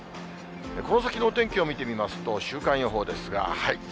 この先のお天気を見ていきますと、週間予報ですが。